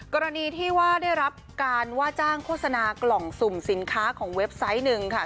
กรณีที่ว่าได้รับการว่าจ้างโฆษณากล่องสุ่มสินค้าของเว็บไซต์หนึ่งค่ะ